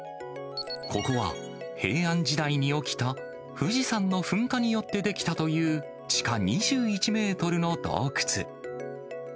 ここは、平安時代に起きた富士山の噴火によって出来たという、地下２１メートルの洞窟。